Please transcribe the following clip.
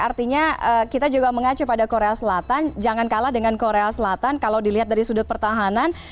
artinya kita juga mengacu pada korea selatan jangan kalah dengan korea selatan kalau dilihat dari sudut pertahanan